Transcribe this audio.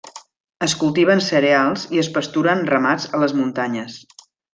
Es cultiven cereals i es pasturen ramats a les muntanyes.